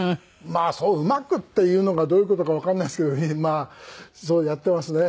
まあそううまくっていうのがどういう事かわかんないですけどまあやってますね。